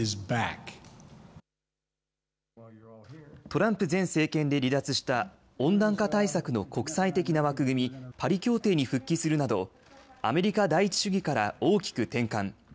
トランプ前政権で離脱した温暖化対策の国際的な枠組み、パリ協定に復帰するなどアメリカ第一主義から大きく転換。